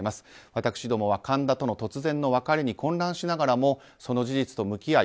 私どもは神田との突然の別れに混乱しながらもその事実に向き合い